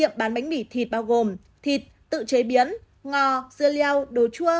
nhập bán bánh mì thịt bao gồm thịt tự chế biến ngò dưa leo đồ chua